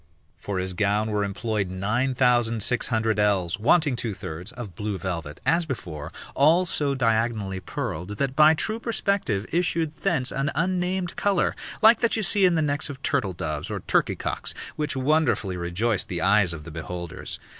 For his gown were employed nine thousand six hundred ells, wanting two thirds, of blue velvet, as before, all so diagonally purled, that by true perspective issued thence an unnamed colour, like that you see in the necks of turtle doves or turkey cocks, which wonderfully rejoiced the eyes of the beholders.